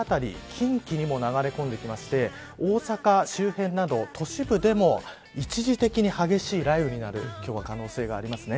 近畿にも流れ込んできて大阪周辺など都市部でも一時的に激しい雷雨になる今日は可能性があります。